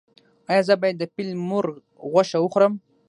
ایا زه باید د فیل مرغ غوښه وخورم؟